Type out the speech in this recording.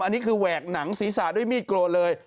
อันนี้คือแหวกหนังศีรษะด้วยมีดโกนเลย